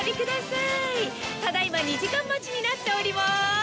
ただ今２時間待ちになっております。